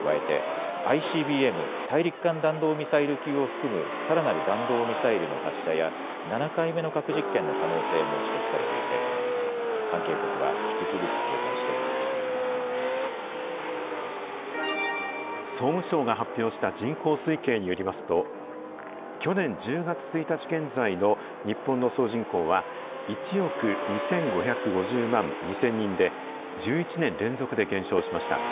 加えて、ＩＣＢＭ・大陸間弾道ミサイル級を含むさらなる弾道ミサイルの発射や、７回目の核実験の可能性も指摘されていて、関係国は引き続き警戒総務省が発表した人口推計によりますと、去年１０月１日現在の日本の総人口は１億２５５０万２０００人で、１１年連続で減少しました。